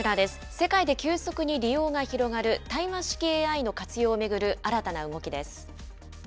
世界で急速に利用が広がる対話式ＡＩの活用を巡る新たな動きです。